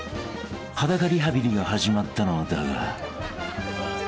［裸リハビリが始まったのだが］